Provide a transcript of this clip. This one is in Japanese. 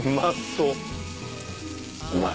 うまい。